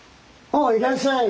おおいらっしゃい。